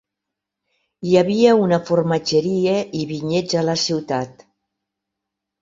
Hi havia una formatgeria i vinyets a la ciutat.